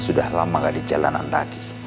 sudah lama gak di jalanan lagi